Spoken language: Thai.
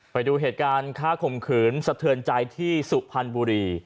ไปดูเหตุการณ์ฆ่าข่มขืนสะเทือนใจที่สุพรรณบุรี